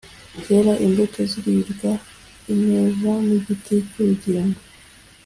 cyera imbuto ziribwa, imeza n’igiti cy’ubugingo